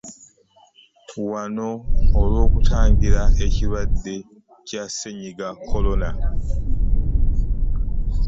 Wano olw'okutangira ekirwadde kya ssennyiga Corona.